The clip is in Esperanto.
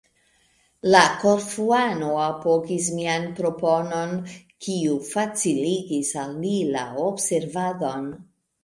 La Korfuano apogis mian proponon, kiu faciligis al li la observadon.